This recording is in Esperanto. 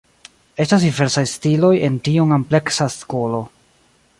Estas diversaj stiloj en tiom ampleksa skolo.